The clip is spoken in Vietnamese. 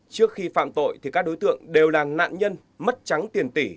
trước khi phạm tội thì các đối tượng đều là nạn nhân mất trắng tiền tỷ